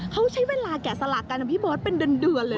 เขาใช้เวลาแก่สละกันพี่บอสเป็นเดือนเลยนะ